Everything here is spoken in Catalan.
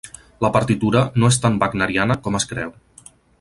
La partitura no és tan wagneriana com es creu.